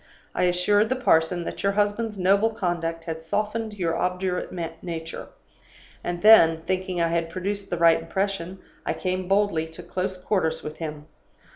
I assured the parson that your husband's noble conduct had softened your obdurate nature; and then, thinking I had produced the right impression, I came boldly to close quarters with him.